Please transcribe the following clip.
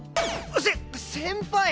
せ先輩！